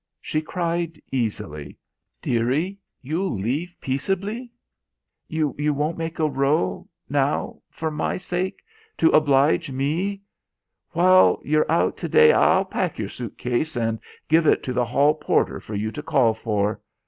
She cried easily. "Dearie, you'll leave peaceably? You won't make a row? Now, for my sake! To oblige me! While you're out to day I'll pack your suit case and give it to the hall porter for you to call for.